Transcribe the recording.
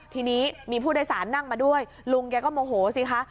ทีนี้มีผู้โดยสารนั่งมาด้วยลุงแกก็โมโหสิคะ